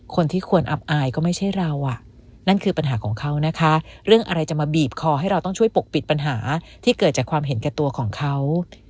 คนที่ควรอับอายก็ไม่ใช่เราอ่ะนั่นคือปัญหาของเขานะคะเรื่องอะไรจะมาบีบคอให้เราต้องช่วยปกปิดปัญหาที่เกิดจากความเห็นแก่ตัวของเขา